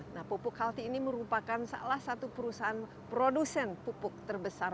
nah pupuk kalti ini merupakan salah satu perusahaan produsen pupuk terbesar